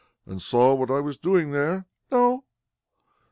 "And saw what I was doing there?" "No."